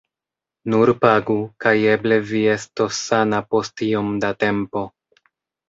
Nur pagu, kaj eble vi estos sana post iom da tempo.